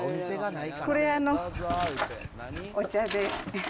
これ、お茶で。